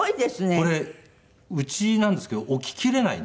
これうちなんですけど置ききれないんですよ。